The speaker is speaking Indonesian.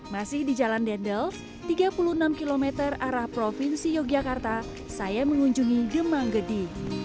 masih di jalan dendels tiga puluh enam km arah provinsi yogyakarta saya mengunjungi demanggedi